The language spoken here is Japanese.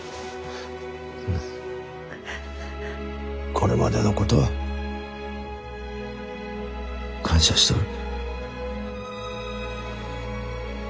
これまでのことは感謝しとる。